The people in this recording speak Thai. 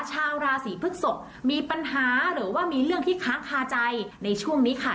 ชาวราศีพฤกษกมีปัญหาหรือว่ามีเรื่องที่ค้างคาใจในช่วงนี้ค่ะ